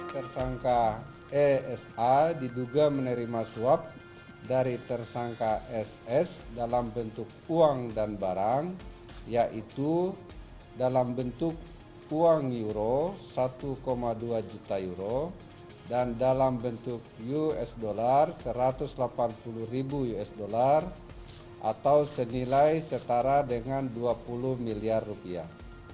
tersangka esa diduga menerima suap dari tersangka ss dalam bentuk uang dan barang yaitu dalam bentuk uang euro satu dua juta euro dan dalam bentuk usd satu ratus delapan puluh ribu usd atau senilai setara dengan dua puluh miliar rupiah